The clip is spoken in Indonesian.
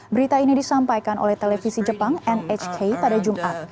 berita ini disampaikan oleh televisi jepang nhk pada jumat